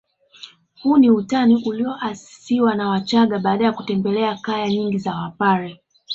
Huu ni utani ulioasisiwa na wachagga baada ya kutembelea kaya nyingi za wapare